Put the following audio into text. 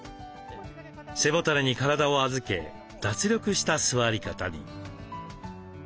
背もたれに体を預け脱力した座り方に。